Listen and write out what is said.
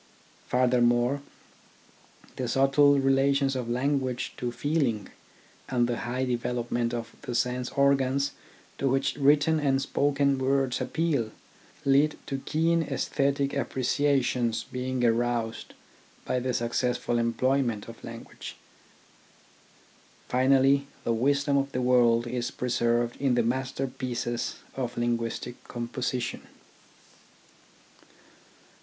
Furthermore, the subtle relations of language to feeling, and the high development of the sense organs to which written and spoken words appeal, lead to keen aesthetic appreciations being aroused by the successful employment of language. Finally, the wisdom of the world is preserved in the masterpieces of linguistic composition.